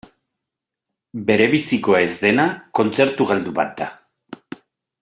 Berebizikoa ez dena kontzertu galdu bat da.